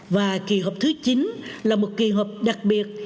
và kỳ họp thứ chín là một kỳ họp đặc biệt